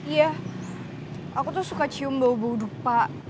iya aku tuh suka cium bau bau dupa